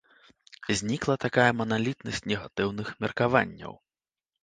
Знікла такая маналітнасць негатыўных меркаванняў.